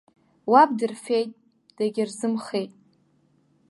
Уаб дырфеит, дагьырзымхеит!